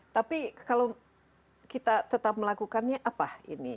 tapi kalau kita tetap melakukannya apa ini